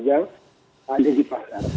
yang ada di pasar